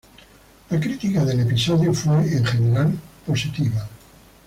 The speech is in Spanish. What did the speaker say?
La crítica del episodio fue en general positiva.